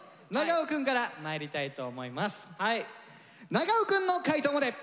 長尾くんの解答まで。